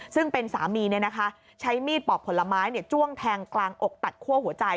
ซึ่งเป็นสามีใช้มีดปอกผลไม้จ้วงแทงกลางอกตัดคั่วหัวใจ